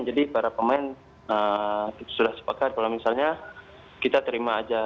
jadi para pemain sudah sepakat kalau misalnya kita terima saja